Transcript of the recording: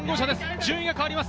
順位が変わります。